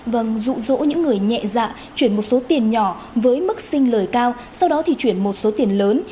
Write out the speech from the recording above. vâng rụ rỗ những người nhẹ dạ chuyển một số tiền nhỏ với mức sinh lời cao sau đó thì chuyển một số tiền lớn